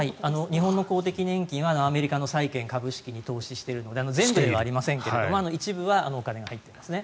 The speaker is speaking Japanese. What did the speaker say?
日本の公的年金はアメリカの債権株式に投資しているので全部ではありませんけれども一部はお金が入っていますね。